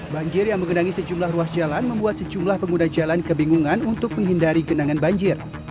banjir yang mengenangi sejumlah ruas jalan membuat sejumlah pengguna jalan kebingungan untuk menghindari genangan banjir